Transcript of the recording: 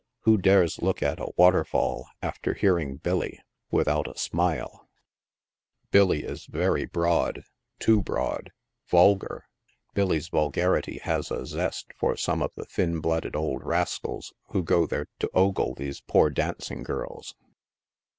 Who dare look at a "water fall," after hearing Billy, without a smile ? Billy is very broad ; 20 NIGHT SIDE OF NEW YORK. too "broad — vulgar. Billy's vulgarity has a zest for some of the thin blooded old rascals who go there to ogle those poor dancing girls.